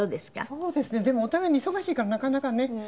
そうですねでもお互いに忙しいからなかなかね。